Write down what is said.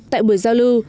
tại buổi giao lưu